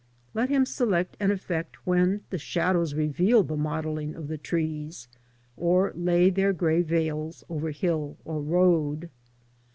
Let him select an effect when the shadows reveal the modelling of the trees, o r lay their grey veils over hill or road.